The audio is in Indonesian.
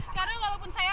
karena walaupun saya